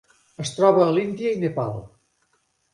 Es troba a l'Índia i Nepal.